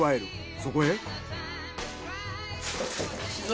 そこへ。